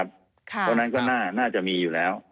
แบบนั้นก็น่าจะมีอยู่แล้วแล้วถ้าแบบนั้นก็น่าจะมีอยู่แล้ว